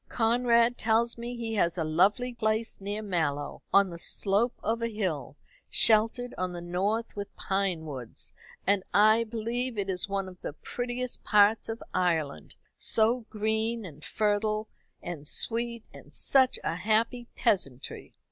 Conrad tells me he has a lovely place near Mallow on the slope of a hill, sheltered on the north with pine woods; and I believe it is one of the prettiest parts of Ireland so green, and fertile, and sweet, and such a happy peasantry."